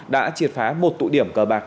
đã triệt phá một tụ điểm cờ bạc